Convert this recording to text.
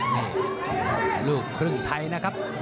นี่ลูกครึ่งไทยนะครับ